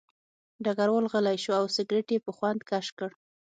ډګروال غلی شو او سګرټ یې په خوند کش کړ